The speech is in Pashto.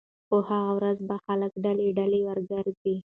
په هغه ورځ به خلک ډلې ډلې ورګرځي